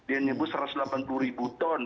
dia nyebut satu ratus delapan puluh ribu ton